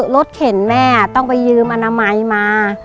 เข็นแม่ต้องไปยืมอนามัยมา